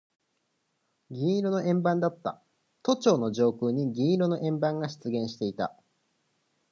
銀色の円盤だった。都庁の上空に銀色の円盤が出現していた。